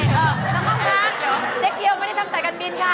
น้องค่อมนะเจ๊เกี๊ยวไม่ได้ทำแต่กันบินค่ะ